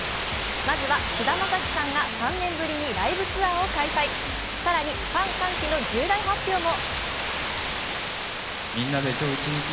まずは菅田将暉さんが３年ぶりにライブツアーを開催、更にファン歓喜の重大発表も。